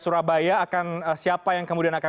surabaya akan siapa yang kemudian akan